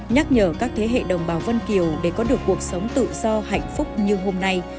nhắc nhở các thế hệ đồng bào vân kiều để có được cuộc sống tự do hạnh phúc như hôm nay